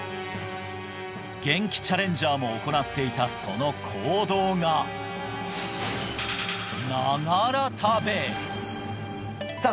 ゲンキチャレンジャーも行っていたその行動がさあ